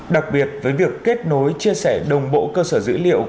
đặc biệt với việc kết nối chia sẻ đồng bộ cơ sở dữ liệu